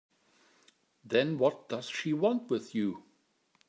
Then what does she want with you?